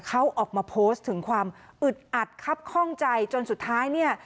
เขาออกมาโพสต์ถึงความอึดอัดครับข้องใจจนสุดท้ายเนี่ย